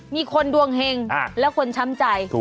มีคนดวงเห็งและคนช้ำใจ